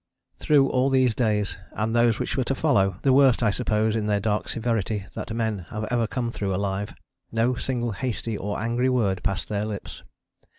Through all these days, and those which were to follow, the worst I suppose in their dark severity that men have ever come through alive, no single hasty or angry word passed their lips.